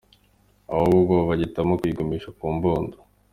" ahubwo bagahitamo kuyigumisha mu mbundo?.